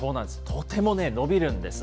とても伸びるんです。